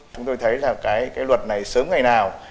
chúng tôi thấy là cái luật này sớm ngày nào